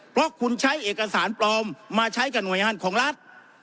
เพราะคุณใช้เอกสารปลอมมาใช้กับหน่วยงานของรัฐ